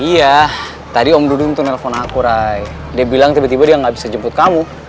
iya tadi om dudung tuh nelfon aku rai dia bilang tiba tiba dia nggak bisa jemput kamu